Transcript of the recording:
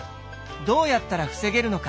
どうやったら防げるのか。